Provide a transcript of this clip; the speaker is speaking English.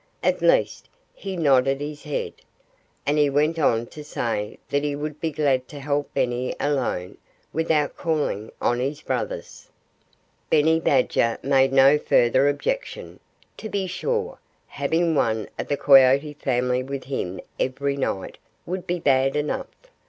At least, he nodded his head. And he went on to say that he would be glad to help Benny alone, without calling on his brothers. Benny Badger made no further objection. To be sure, having one of the Coyote family with him every night would be bad enough.